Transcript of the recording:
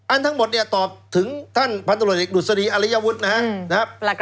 ทั้งหมดเนี่ยตอบถึงท่านพันธุรกิจเอกดุษฎีอริยวุฒินะครับ